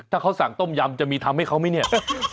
ถ้าเขาสั่งต้มยำจะมีทำให้เขาไหมเนี่ย